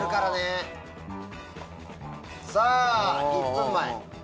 さぁ１分前。